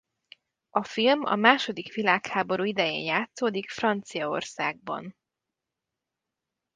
A film a második világháború idején játszódik Franciaországban.